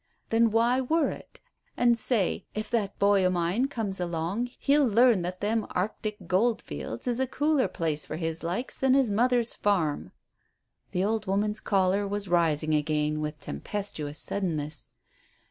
Then why worrit? An' say, if that boy o' mine comes along he'll learn that them Ar'tic goldfields is a cooler place for his likes than his mother's farm." The old woman's choler was rising again with tempestuous suddenness.